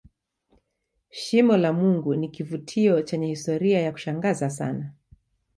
shimo la mungu ni kivutio chenye historia ya kushangaza sana